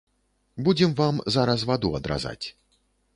Будзем вам зараз ваду адразаць.